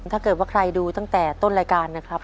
ถ้าเกิดว่าใครดูตั้งแต่ต้นรายการนะครับ